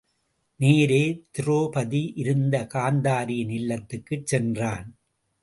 நேரே திரெளபதி இருந்த காந்தாரியின் இல்லத்துக்குச் சென்றான்.